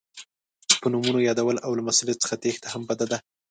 په نومونو یادول او له مسؤلیت څخه تېښته هم بده ده.